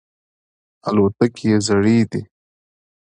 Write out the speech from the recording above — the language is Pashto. الوتکې یې زړې دي.